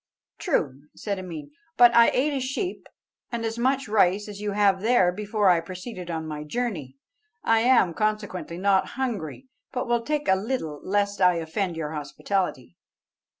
"True," said Ameen, "but I ate a sheep and as much rice as you have there before I proceeded on my journey. I am, consequently, not hungry, but will take a little lest I offend your hospitality."